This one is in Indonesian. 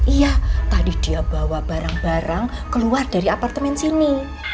iya tadi dia bawa barang barang keluar dari apartemen sini